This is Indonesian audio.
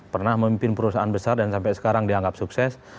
pernah memimpin perusahaan besar dan sampai sekarang dianggap sukses